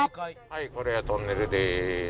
はいこれがトンネルです。